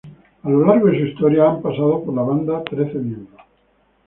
A lo largo de su historia han pasado por la banda trece miembros.